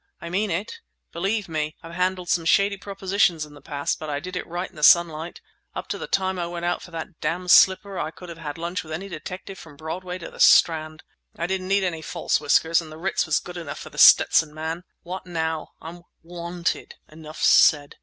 I mean it! Believe me, I've handled some shady propositions in the past, but I did it right in the sunlight! Up to the time I went out for that damned slipper I could have had lunch with any detective from Broadway to the Strand! I didn't need any false whiskers and the Ritz was good enough for The Stetson Man. What now? I'm 'wanted!' Enough said."